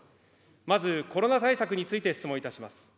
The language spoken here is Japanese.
まずコロナ対策について質問いたします。